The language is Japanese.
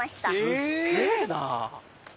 すげえな！